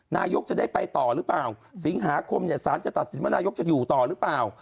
นายกจะได้ไปต่อหรือเปล่าสิงหาคมเนี่ยสารจะตัดสินว่านายกจะอยู่ต่อหรือเปล่า